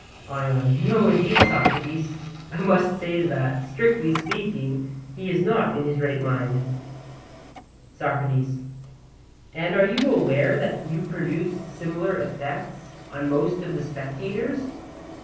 ION: No indeed, Socrates, I must say that, strictly speaking, he is not in his right mind. SOCRATES: And are you aware that you produce similar effects on most of the spectators?